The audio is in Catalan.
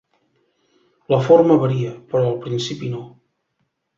La forma varia, però el principi no.